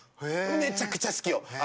めちゃくちゃ好きよ。